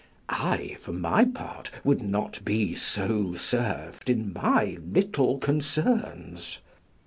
I, for my part, would not be so served in my little concerns.